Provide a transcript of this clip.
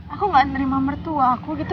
aku gak nerima mertua aku gitu